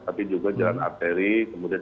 tapi juga jalan arteri kemudian